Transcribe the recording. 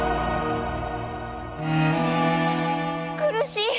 苦しい！